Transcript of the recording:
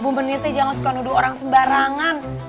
bu beniti jangan suka nuduh orang sembarangan